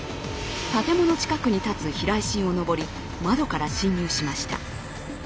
建物近くに立つ避雷針を登り窓から侵入しました。